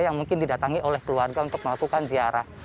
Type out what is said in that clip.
yang mungkin didatangi oleh keluarga untuk melakukan ziarah